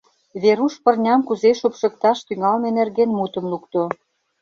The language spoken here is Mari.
Веруш пырням кузе шупшыкташ тӱҥалме нерген мутым лукто...